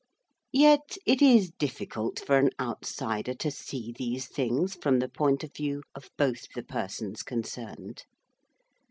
Yet it is difficult for an outsider to see these things from the point of view of both the persons concerned.